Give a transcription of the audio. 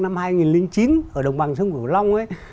năm hai nghìn chín ở đồng bằng sông củ long